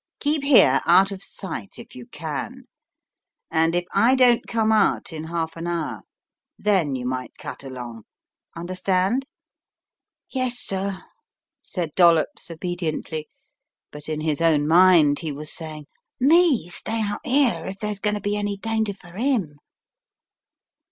Keep here, out of sight, if you can, and if I don't come out in half an hour, then you might cut along. Understand?" "Yes, sir," said Dollops, obediently, but in his own mind he was saying, "me stay out 'ere if there's going to be any danger for 9 im?"